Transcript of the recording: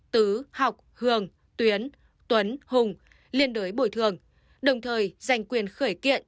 tứ học hường tuyến tuấn hùng liên đối bồi thường đồng thời giành quyền khởi kiện